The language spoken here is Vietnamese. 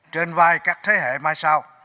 trên vai các thế hệ mai sau